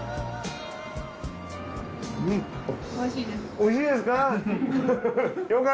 美味しいですか？